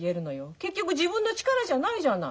結局自分の力じゃないじゃない。